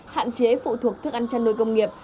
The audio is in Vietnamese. hạn chế phụ thuộc thức ăn chăn nuôi công nghiệp